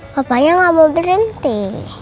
papanya tidak mau berhenti